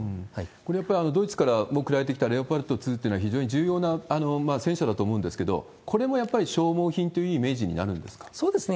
これ、やっぱりドイツから送られてきたレオパルト２というのは、非常に重要な戦車だと思うんですけど、これもやっぱり消耗品というイメそうですね。